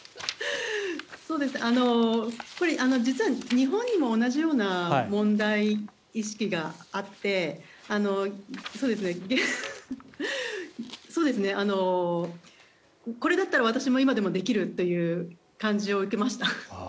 実は日本も同じような問題意識があってこれだったら私は今でもできるという感じを受けました。